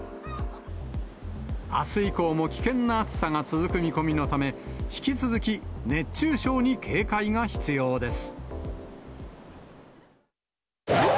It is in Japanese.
あす以降も危険な暑さが続く見込みのため、引き続き熱中症に警戒が必要です。